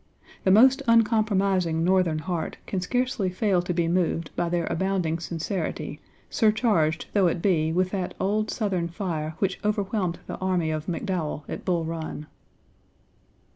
The most uncompromising Northern heart can scarcely fail to be moved by their abounding sincerity, surcharged though it be with that old Southern fire which overwhelmed the army of McDowell at Bull Run.